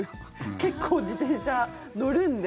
結構、自転車乗るんで。